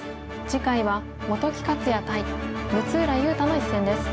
次回は本木克弥対六浦雄太の一戦です。